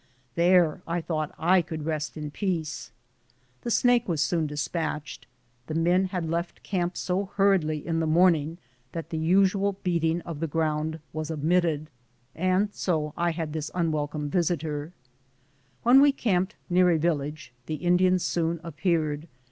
There I thought I could rest in peace. The snake was soon despatched. The men had left camp so hurriedly in the morning that the usual beating of the ground was omitted, and so I had this unwelcome visitor. ADVENTURES— THE LAST DAYS OF THE MARCH. 83 When we camped near a village, the Indians soon appeared.